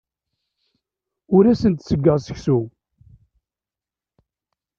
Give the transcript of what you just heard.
Ur asen-d-ttgeɣ seksu.